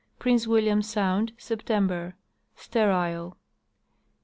Prince William sound, September. Sterile.